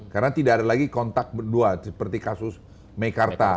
karena tidak ada lagi kontak berdua seperti kasus mekarta